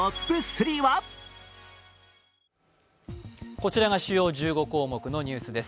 こちらが主要１５項目のニュースです。